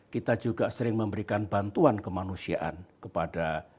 kita juga sering memberikan bantuan kemanusiaan kepada